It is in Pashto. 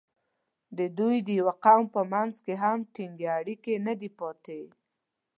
د دوی د یوه قوم په منځ کې هم ټینګ اړیکې نه دي پاتې.